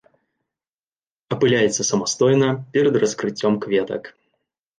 Апыляецца самастойна перад раскрыццём кветак.